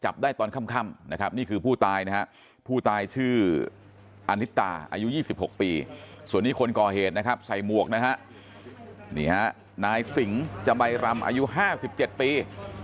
ส่วนนี้คนก่อเหตุนะครับใส่มวกนะฮะนี่ฮะนายสิงศ์จมัยรำอายุห้าสิบเจ็ดปี